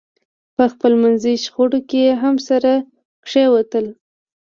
په خپلمنځي شخړو کې هم سره کېوتل.